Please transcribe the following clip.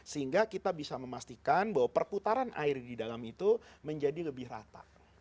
sehingga kita bisa memastikan bahwa perputaran air di dalam itu menjadi lebih rata